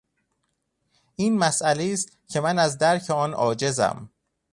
این مسئلهای است که من از درک آن عاجزم.